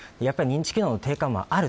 やっぱり認知機能の低下もある。